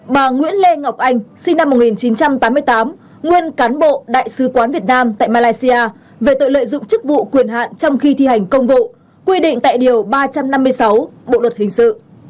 ba bà nguyễn lê ngọc anh sinh năm một nghìn chín trăm tám mươi tám nguyên cán bộ đại sứ quán việt nam tại malaysia về tội lợi dụng chức vụ quyền hạn trong khi thi hành công vụ quy định tại điều ba trăm năm mươi sáu bộ luật hình sự